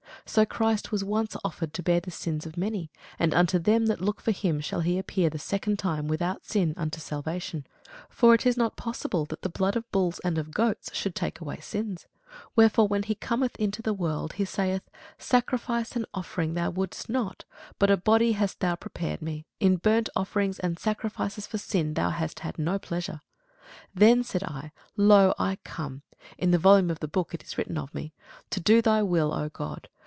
So Christ was once offered to bear the sins of many; and unto them that look for him shall he appear the second time without sin unto salvation. For it is not possible that the blood of bulls and of goats should take away sins. Wherefore when he cometh into the world, he saith, Sacrifice and offering thou wouldest not, but a body hast thou prepared me: in burnt offerings and sacrifices for sin thou hast had no pleasure. Then said I, Lo, I come (in the volume of the book it is written of me,) to do thy will, O God.